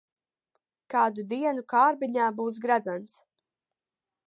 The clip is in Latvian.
Kādu dienu kārbiņā būs gredzens.